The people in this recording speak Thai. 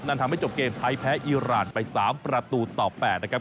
ทำให้จบเกมไทยแพ้อีรานไป๓ประตูต่อ๘นะครับ